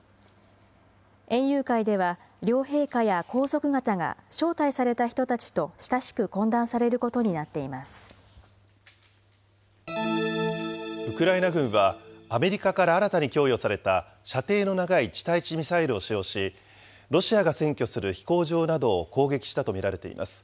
園遊会では両陛下や皇族方が招待された人たちと親しく懇談されるウクライナ軍は、アメリカから新たに供与された射程の長い地対地ミサイルを使用し、ロシアが占拠する飛行場などを攻撃したと見られています。